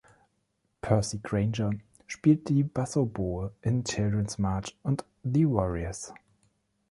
Percy Grainger spielt die Bassoboe in „Children's March“ und „The Warriors“.